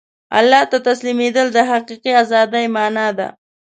الله ته تسلیمېدل د حقیقي ازادۍ مانا ده.